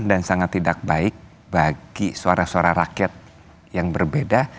dan sangat tidak baik bagi suara suara rakyat yang berbeda